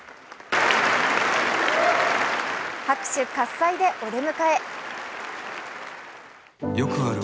拍手喝采でお出迎え。